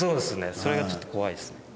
それがちょっと怖いですね。